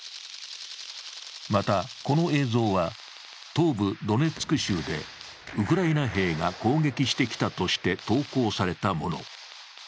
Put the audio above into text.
また、この映像は東部ドネツク州でウクライナ兵が攻撃してきたとして投稿されたもの。